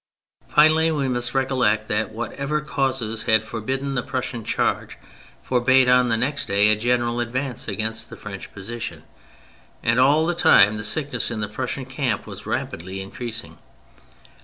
Finally, we must recollect that whatever causes had forbidden the Prussian charge for bade on the next day a general advance against the French position. And all the time the sickness in the Prussian camp was rapidly increasing.